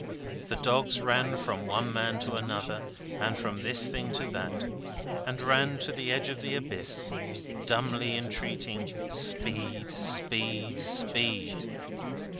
The dogs ran from one man to another, and from this thing to that, and ran to the edge of the abyss, dumbly entreating Speed, speed, speed!